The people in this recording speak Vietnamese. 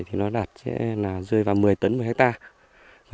thì nó đạt sẽ là rơi vào một mươi tấn một hectare